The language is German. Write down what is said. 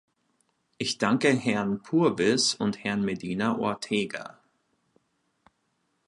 Ich danke Herrn Purvis und Herrn Medina Ortega.